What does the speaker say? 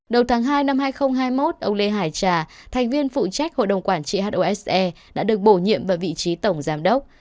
đầu tháng hai năm hai nghìn hai mươi một ông lê hải trà thành viên phụ trách hội đồng quản trị hose đã được bổ nhiệm vào vị trí tổng giám đốc